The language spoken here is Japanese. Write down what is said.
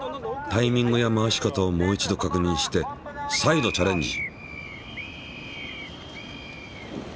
タイミングや回し方をもう一度確認して再度チャレンジ。